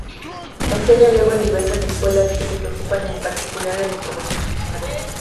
Enseña luego en diversas escuelas, que se preocupan en particular de la información profesional.